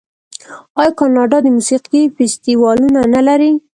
آیا کاناډا د موسیقۍ فستیوالونه نلري؟